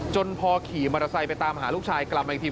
จนพอขี่มาตรสัยไปตามหาลูกชายกลับมันอีกที